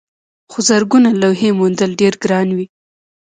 خو زرګونه لوحې موندل ډېر ګران وي.